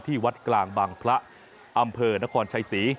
วัดกลางบางพระอำเภอนครชัยศรี